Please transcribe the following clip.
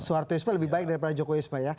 soehartoisme lebih baik daripada joko wisma ya